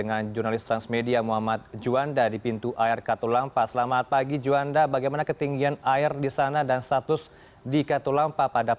untuk debit air yang mengalir ke jakarta itu diperkirakan sekitar sepuluh sampai dua belas jam